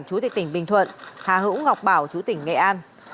chủ tịch tỉnh bình thuận hà hữu ngọc bảo chủ tịch nghệ an